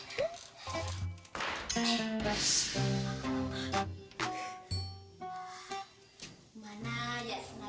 tapi kuarang ketek bulu diihit ini orang orang